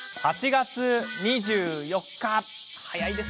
８月２４日。